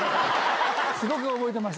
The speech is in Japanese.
すごく覚えてます。